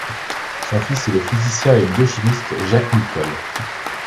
Son fils est le physicien et biochimiste Jacques Nicolle.